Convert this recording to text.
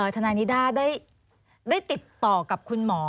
ทนายนิด้าได้ติดต่อกับคุณหมอ